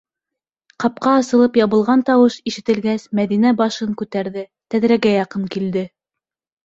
Капҡа асылып ябылған тауыш ишетелгәс, Мәҙинә башын күтәрҙе, тәҙрәгә яҡын килде.